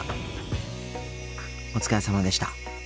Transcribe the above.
お疲れさまでした。